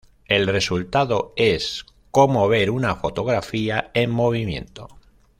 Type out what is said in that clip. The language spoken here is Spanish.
El resultado es como ver una fotografía en movimiento.